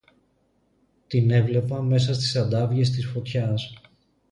Την έβλεπα μέσα στις ανταύγειες της φωτιάς